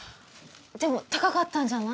でも高かったんじゃない？